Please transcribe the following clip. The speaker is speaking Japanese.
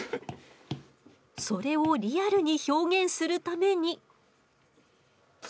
それをリアルに表現するために。